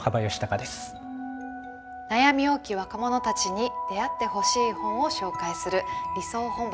悩み多き若者たちに出会ってほしい本を紹介する「理想本箱」。